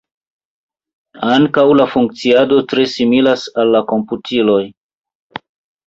Ankaŭ la funkciado tre similas al la komputiloj.